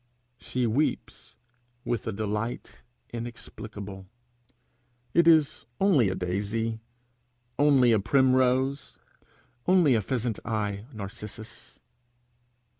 She weeps with a delight inexplicable. It is only a daisy! only a primrose! only a pheasant eye narcissus!